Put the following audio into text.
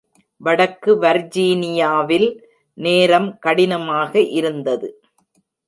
வடக்கு வர்ஜீனியாவில் நேரம் கடினமாக இருந்தது.